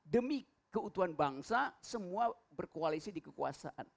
demi keutuhan bangsa semua berkoalisi di kekuasaan